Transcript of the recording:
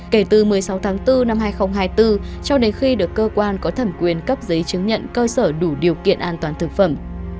kể từ một mươi sáu tháng bốn năm hai nghìn hai mươi bốn cho đến khi được cơ quan có thẩm quyền cấp giấy chứng nhận cơ sở đủ điều kiện an toàn thực phẩm